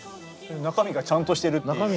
中身がちゃんとしてるっていう。